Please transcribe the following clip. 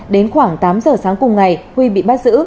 đến khoảng tám giờ sáng cùng ngày huy bị bắt giữ